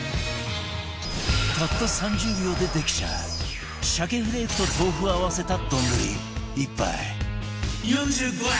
たった３０秒でできちゃう鮭フレークと豆腐を合わせた丼１杯